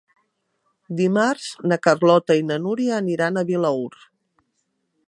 Dimarts na Carlota i na Núria aniran a Vilaür.